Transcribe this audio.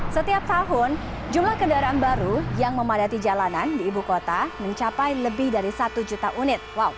setiap tahun jumlah kendaraan baru yang memadati jalanan di ibu kota mencapai lebih dari satu juta unit